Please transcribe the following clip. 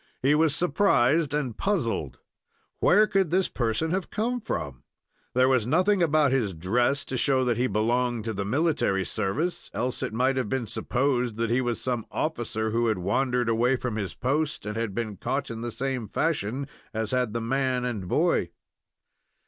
He was surprised and puzzled. Where could this person have come from? There was nothing about his dress to show that he belonged to the military service, else it might have been supposed that he was some officer who had wandered away from his post, and had been caught in the same fashion as had the man and boy.